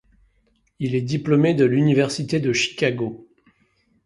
Il est diplômé de l’Université de Chicago.